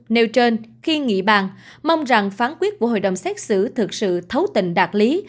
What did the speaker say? nêu trên khi nghị bàn mong rằng phán quyết của hội đồng xét xử thực sự thấu tình đạt lý